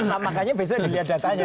nah makanya besok dilihat datanya